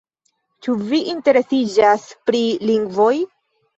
Ĉu vi interesiĝas pri lingvoj?